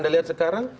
kita lihat sekarang